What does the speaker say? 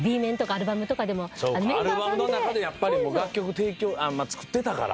アルバムの中でやっぱりもう楽曲提供作ってたから。